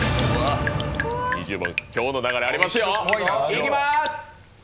今日の流れありますよいきます。